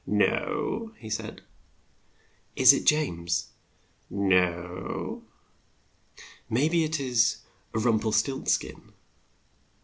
"No," said he. "Is it James?" "No." "May be it is Rum pel stilts kin."